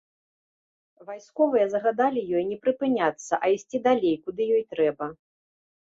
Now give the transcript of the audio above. Вайсковыя загадалі ёй не прыпыняцца, а ісці далей, куды ёй трэба.